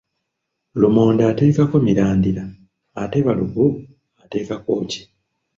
Lumonde ateekako mirandira ate balugu ateekako ki?